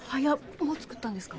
もう作ったんですか？